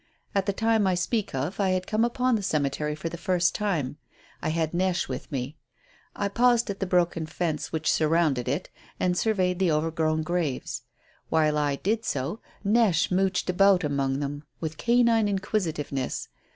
At the time I speak of I had come upon the cemetery for the first time. I had Neche with me. I paused at the broken fence which surrounded it, and surveyed the overgrown graves. While I did so, Neche mouched about among them with canine inquisitiveness.